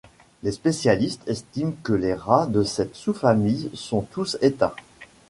Les spécialistes estiment que les rats de cette sous-famille sont tous éteints.